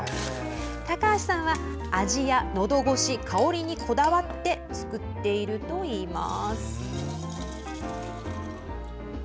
高橋さんは、味やのどごし香りにこだわって作っているといいます。